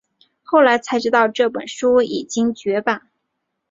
后来才知道这本书已经绝版